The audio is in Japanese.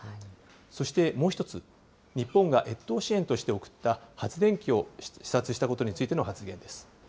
そしてもう一つ、日本が越冬支援として送った発電機を視察したことについての発言です。